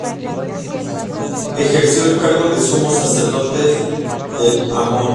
Ejerció el cargo de Sumo sacerdote de Amón.